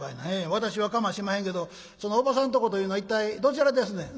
私はかましまへんけどそのおばさんとこというのは一体どちらですねん」。